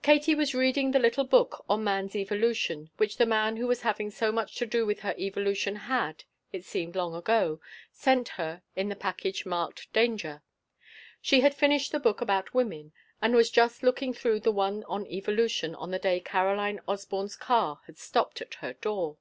Katie was reading the little book on man's evolution which the man who was having much to do with her evolution had it seemed long ago sent her in the package marked "Danger." She had finished the book about women and was just looking through the one on evolution on the day Caroline Osborne's car had stopped at her door.